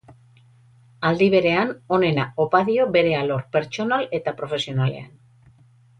Aldi berean, onena opa dio bere alor pertsonal eta profesionalean.